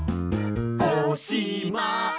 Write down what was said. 「おしまい」